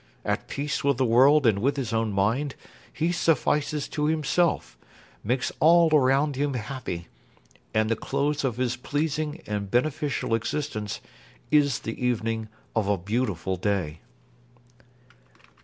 At peace with the world and with his own mind, he suffices to himself, makes all around him happy, and the close of his pleasing and beneficial existence is the evening of a beautiful day.